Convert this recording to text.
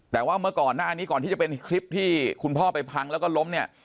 แต่ว่าเมื่อก่อนหน้านี้ก่อนที่จะเป็นคลิปที่คุณพ่อไปพังแล้วก็ล้มเนี่ย